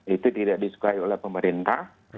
itu tidak disukai oleh pemerintah